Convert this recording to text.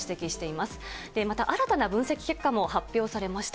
また新たな分析結果も発表されました。